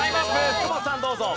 福本さんどうぞ。